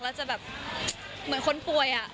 แล้วจะแบบเหมือนคนป่วย